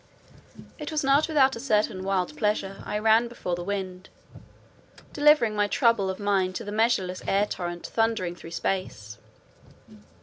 It was not without a certain wild pleasure I ran before the wind, delivering my trouble of mind to the measureless air torrent thundering through space.